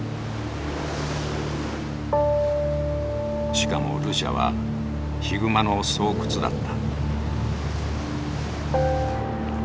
しかもルシャはヒグマの巣窟だった。